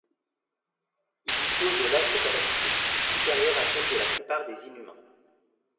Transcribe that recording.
Il dispose de vastes capacités, supérieures à celles de la plupart des Inhumains.